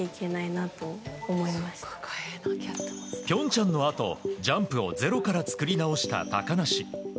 平昌のあとジャンプをゼロから作り直した高梨。